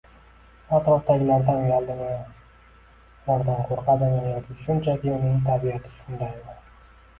u atrofdagilardan uyaladimi, ulardan qo‘rqadimi yoki shunchaki uning tabiati shundaymi?